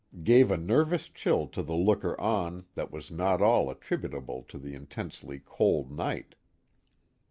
*' gave a nervous chill to the looker on that was not all at tributable to the intensely cold night.